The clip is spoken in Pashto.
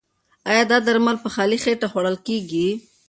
ایا دا درمل په خالي خېټه خوړل کیږي؟